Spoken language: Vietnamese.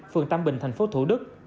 phường tâm bình thành phố thủ đức